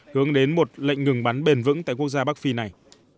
hướng đến một lệnh ngừng bắn bền vững tại quốc gia bắc phi này